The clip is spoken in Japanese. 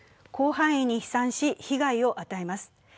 広範囲に飛散し、被害を与えます。